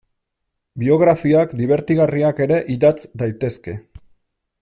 Biografiak dibertigarriak ere idatz daitezke.